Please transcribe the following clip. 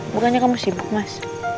bukannya kamu sibuk mas